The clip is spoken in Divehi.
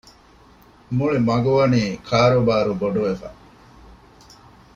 މުޅި މަގުވަނީ ކާރޫބާރޫ ބޮޑުވެފަ